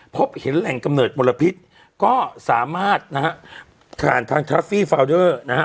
พบเห็นแหล่งกำเนิดมลพิษก็สามารถนะฮะผ่านทางทัฟฟี่ฟาวเดอร์นะฮะ